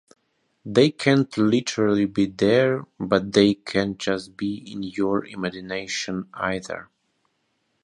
They can't literally be there, but they can't just be in your imagination either.